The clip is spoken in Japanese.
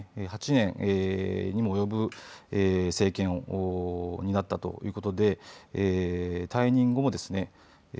８年にも及ぶ政権を担ったということで退任後もですね